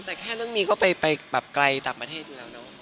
แต่แค่เรื่องนี้ก็ไปแบบไกลต่างประเทศอยู่แล้วเนอะ